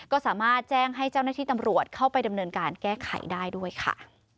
ก็สามารถแจ้งให้เจ้าหน้าที่ตำรวจเข้าไปดำเนินการแก้ไขได้ด้วยค่ะ